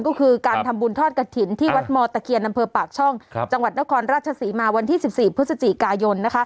ก็คือการทำบุญทอดกระถิ่นที่วัดมตะเคียนอำเภอปากช่องจังหวัดนครราชศรีมาวันที่๑๔พฤศจิกายน